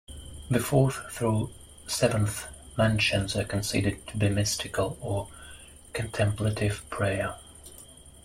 The fourth through seventh mansions are considered to be mystical or contemplative prayer.